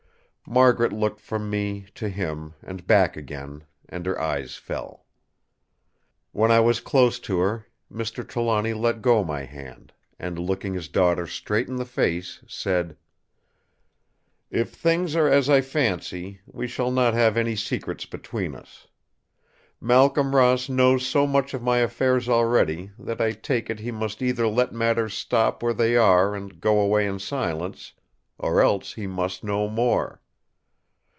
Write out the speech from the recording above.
Margaret looked from me to him, and back again; and her eyes fell. When I was close to her, Mr. Trelawny let go my hand, and, looking his daughter straight in the face, said: "If things are as I fancy, we shall not have any secrets between us. Malcolm Ross knows so much of my affairs already, that I take it he must either let matters stop where they are and go away in silence, or else he must know more.